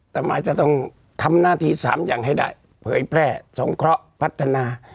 ทำไมจะต้องทำหน้าที่๓อย่างให้ได้เผยแพร่สงเคราะห์พัฒนา